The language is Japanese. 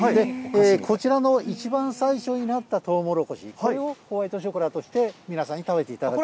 こちらの一番最初になったトウモロコシ、これをホワイトショコラとして、皆さんに食べていただく。